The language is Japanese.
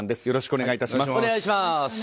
よろしくお願いします。